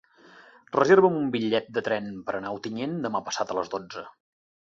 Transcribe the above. Reserva'm un bitllet de tren per anar a Ontinyent demà passat a les dotze.